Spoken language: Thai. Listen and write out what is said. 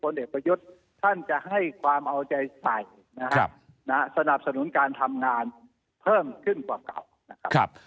เด็กประยุทธ์ท่านจะให้ความเอาใจใส่นะฮะสนับสนุนการทำงานเพิ่มขึ้นกว่าเก่านะครับ